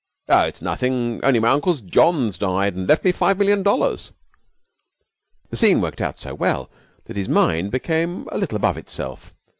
'Oh, it's nothing only my Uncle John's died and left me five million dollars.' The scene worked out so well that his mind became a little above itself.